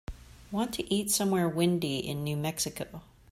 want to eat somewhere windy in New Mexico